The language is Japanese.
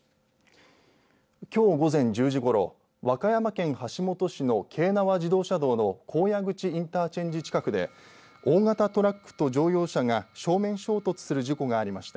きょう午前１０時ごろ和歌山県橋本市の京奈和自動車道の高野口インターチェンジ近くで大型トラックと乗用車が正面衝突する事故がありました。